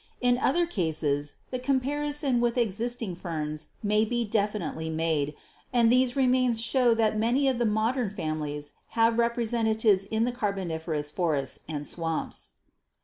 In other cases the comparison with existing ferns may be definitely made, and these remains show that many of the modern families had representatives in the Carboniferous forests and swamps."